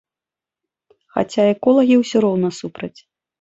Хаця эколагі ўсё роўна супраць.